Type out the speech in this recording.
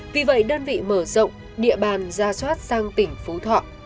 vì vậy đơn vị mở rộng địa bàn ra soát sang tỉnh phú thọ